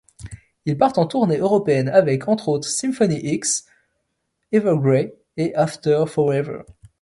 Ils partent en tournée européenne avec, entre autres, Symphony X, Evergrey et After Forever.